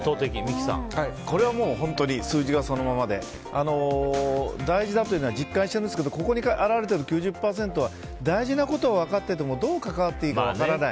これは数字がそのままで大事だというのは実感してるんですけどここに表れている９０％は大事なことを分かっててもどう関わっていいか分からない。